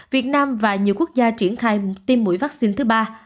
việt nam và nhiều quốc gia triển khai tiêm mũi vaccine thứ ba